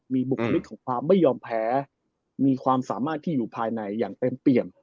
มีบุคลิกของความไม่ยอมแพ้มีความสามารถที่อยู่ภายในอย่างเต็มเปี่ยม